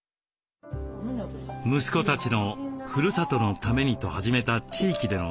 息子たちのふるさとのためにと始めた地域での取り組み。